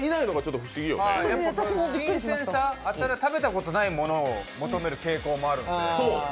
新鮮さ、食べたことないものを求める傾向もあるので。